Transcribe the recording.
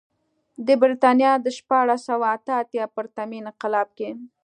د برېټانیا د شپاړس سوه اته اتیا پرتمین انقلاب کې.